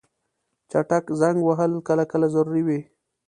چټک زنګ وهل کله کله ضروري وي.